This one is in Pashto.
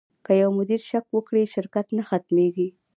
که یو مدیر شک وکړي، شرکت نه ختمېږي.